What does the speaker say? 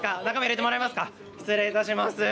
失礼いたします。